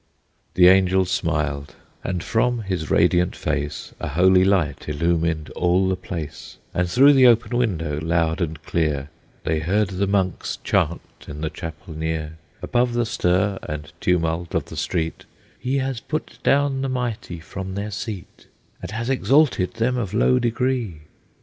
The Angel smiled, and from his radiant face A holy light illumined all the place, And through the open window, loud and clear, They heard the monks chant in the chapel near, Above the stir and tumult of the street: "He has put down the mighty from their seat, And has exalted them of low degree!"